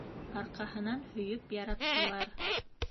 Арҡаһынан һөйөп яраттылар.